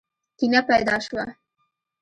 کینه پیدا شوه.